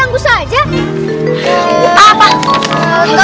aku tembus ini